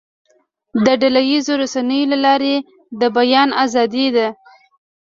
د ډله ییزو رسنیو له لارې د بیان آزادي ده.